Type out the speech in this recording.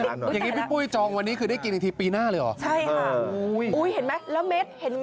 อย่างนี้พี่ปุ้ยจองวันนี้คือได้กินอีกทีปีหน้าเลยเหรอใช่ค่ะ